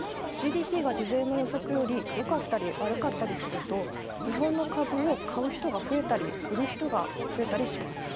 ＧＤＰが事前の予測より良かったり悪かったりすると日本の株を買う人が増えたり売る人が増えたりします。